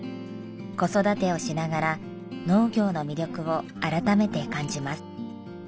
子育てをしながら農業の魅力を改めて感じます。